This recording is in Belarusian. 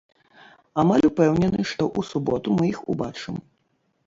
Амаль упэўнены, што у суботу мы іх убачым.